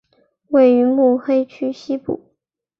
位于目黑区西部。